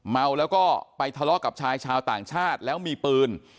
เมาแล้วก็ไปทะเลาะกับชายชาวต่างชาติแล้วมีปืน